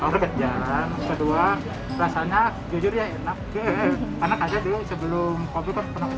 karena kaya dulu sebelum kopi kan pernah kesini